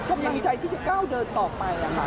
ความดังใจที่จะก้าวเดินต่อไปะครับ